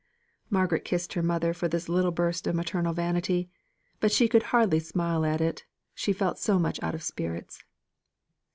Margaret kissed her mother for this little burst of maternal vanity; but she could hardly smile at it, she felt so much out of spirits.